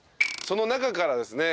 その中からですね